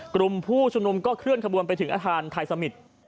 กลุ่มผู้ชุมนุมก็เคลื่อนขบวนไปถึงอาคารไทยสมิตร